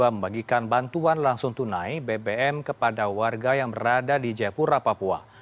membagikan bantuan langsung tunai bbm kepada warga yang berada di jayapura papua